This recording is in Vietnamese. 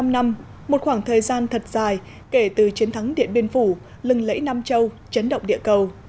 bảy mươi năm năm một khoảng thời gian thật dài kể từ chiến thắng điện biên phủ lừng lẫy nam châu chấn động địa cầu